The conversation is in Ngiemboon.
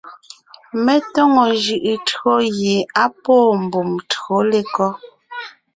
Mé tóŋo jʉʼʉ tÿǒ gie á pwóon mbùm tÿǒ lekɔ́?